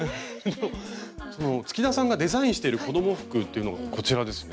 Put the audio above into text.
月田さんがデザインしている子ども服というのがこちらですね。